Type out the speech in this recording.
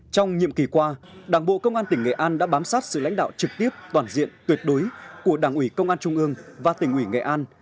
trong nhiệm kỳ qua đảng bộ công an tỉnh nghệ an đã bám sát sự lãnh đạo trực tiếp toàn diện tuyệt đối của đảng ủy công an trung ương và tỉnh ủy nghệ an